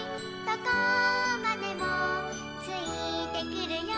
どこまでもついてくるよ」